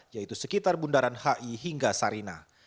yaitu sekitar bundaran hi hingga sarina